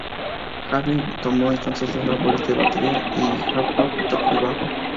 Hawley tomó entonces las labores de batería y Hawthorne tocó el bajo.